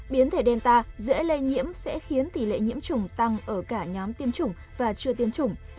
biến thể đen ta dễ lây nhiễm sẽ khiến tỷ lệ nhiễm trùng tăng ở cả nhóm tiêm chủng và chưa tiêm chủng